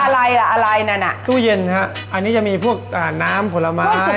อะไรล่ะอะไรนั่นอ่ะตู้เย็นฮะอันนี้จะมีพวกอ่าน้ำผลไม้